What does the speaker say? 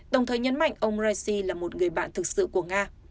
đồng thời nhấn mạnh ông raisi là một người bạn thực sự của nga